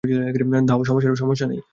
দাও, সমস্যা নেই।